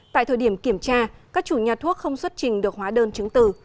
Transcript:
tại thời điểm kiểm tra các chủ nhà thuốc không xuất trình được hóa đơn chứng từ